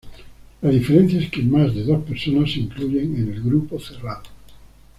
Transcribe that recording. La diferencia es que más de dos personas se incluyen en el grupo cerrado.